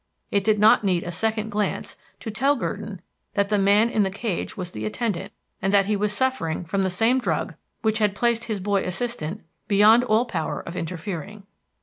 It did not need a second glance to tell Gurdon that the man in the cage was the attendant, and that he was suffering from the same drug which had placed his boy assistant beyond all power of interfering.